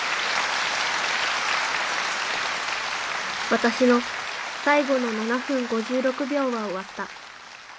私の最後の７分５６秒は終わった。